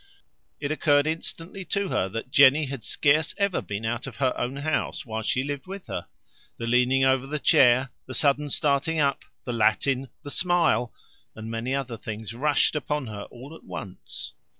It occurred instantly to her, that Jenny had scarce ever been out of her own house while she lived with her. The leaning over the chair, the sudden starting up, the Latin, the smile, and many other things, rushed upon her all at once.